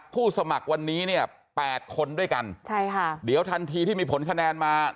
สมัครวันนี้เนี่ยแปดคนด้วยกันใช่ค่ะเดี๋ยวทันทีที่มีผลคะแนนมา